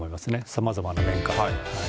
さまざまな面から。